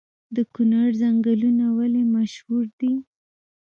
د کونړ ځنګلونه ولې مشهور دي؟